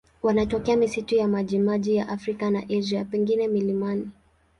Wanatokea misitu ya majimaji ya Afrika na Asia, pengine milimani.